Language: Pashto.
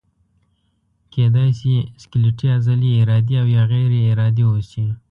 کیدای شي سکلیټي عضلې ارادي او یا غیر ارادي اوسي.